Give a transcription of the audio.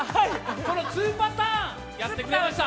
この２パターン、やってくれました。